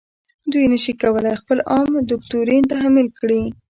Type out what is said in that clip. دوی نشي کولای خپل عام دوکتورین تحمیل کړي.